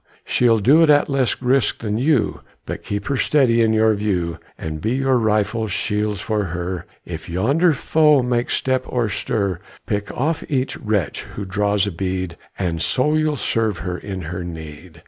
She'll do it at less risk than you; But keep her steady in your view, And be your rifles shields for her. If yonder foe make step or stir, Pick off each wretch who draws a bead, And so you'll serve her in her need.